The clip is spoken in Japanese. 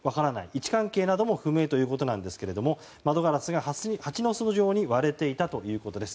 位置関係なども不明ということですが窓ガラスが蜂の巣状に割れていたということです。